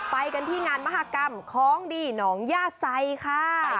ไปกันที่งานมหากรรมของดีหนองย่าไซค่ะ